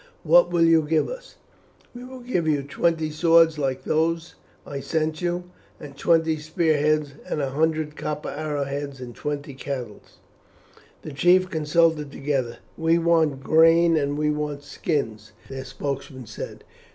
What will you give us?" "We will give you twenty swords like those I sent you, and twenty spearheads, and a hundred copper arrowheads, and twenty cattle." The chiefs consulted together. "We want grain and we want skins," their spokesman said.